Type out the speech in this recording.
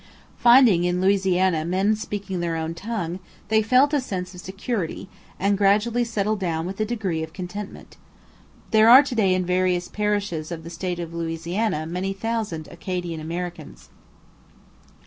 Finding in Louisiana men speaking their own tongue, they felt a sense of security, and gradually settled down with a degree of contentment. There are to day in various parishes of the state of Louisiana many thousand Acadian Americans.